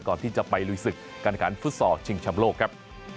ก่อนที่จะไปลุยศึกการขันฟุตซอลชิงชำโลกครับ